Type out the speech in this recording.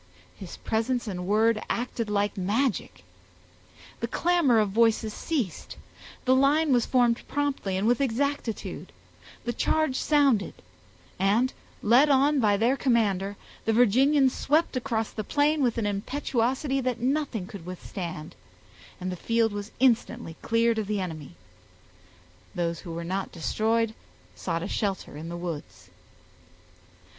His presence and word acted like magic. The clamor of voices ceased; the line was formed promptly and with exactitude; the charge sounded; and, led on by their commander, the Virginians swept across the plain with an impetuosity that nothing could withstand, and the field was instantly cleared of the enemy; those who were not destroyed sought a shelter in the woods.